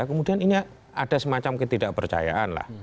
kemudian ini ada semacam ketidakpercayaan lah